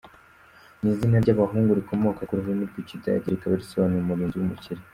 Ni izina ry’abahungu rikomoka ku rurimi rw’Ikidage rikaba risobanura “Umurinzi w’umukire”.